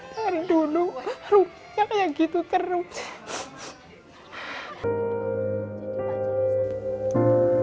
dari dulu rupiahnya gitu teruk sih